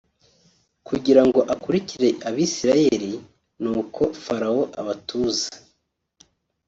kugira ngo akurikire abisirayeli ni uko Farawo abatuze